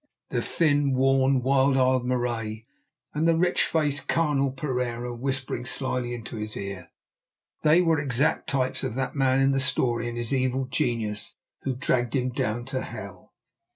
The thin, worn, wild eyed Marais, and the rich faced, carnal Pereira whispering slyly into his ear; they were exact types of that man in the story and his evil genius who dragged him down to hell.